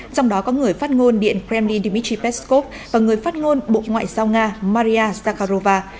trong đó có người phát ngôn điện kremlin dmitry peskov và người phát ngôn bộ ngoại giao nga maria sakharova